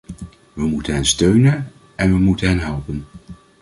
We moeten hen steunen en we moeten hen helpen.